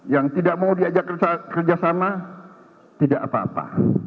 yang tidak mau diajak kerjasama tidak apa apa